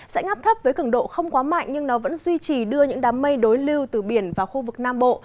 dãnh áp thấp với cứng độ không quá mạnh nhưng nó vẫn duy trì đưa những đám mây đối lưu từ biển vào khu vực nam bộ